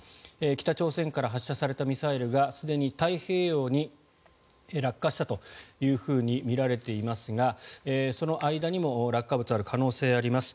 北朝鮮から発射されたミサイルがすでに太平洋に落下したというふうにみられていますがその間にも落下物がある可能性があります。